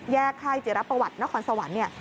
แยกค่ายจิรับประวัตินครสวรรค์